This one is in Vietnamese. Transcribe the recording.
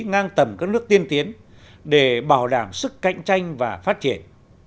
ngang tầm các nước tiên tiến để bảo đảm sức cạnh tranh và phát triển